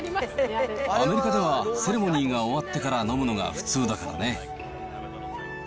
アメリカではセレモニーが終わってから飲むのが普通だからね。